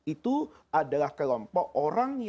itu adalah kelompok orang